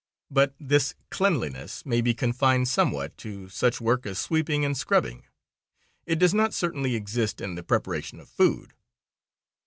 But this cleanliness may be confined somewhat to such work as sweeping and scrubbing; it does not certainly exist in the preparation of food.